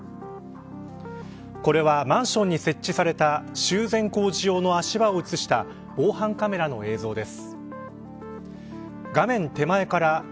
これはマンションに設置された修繕工事用の足場を映した防犯カメラの映像です。